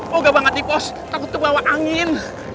boga banget di pos takut tuh bawa angin